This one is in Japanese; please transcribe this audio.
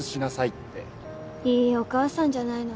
いいお母さんじゃないの。